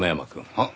はっ。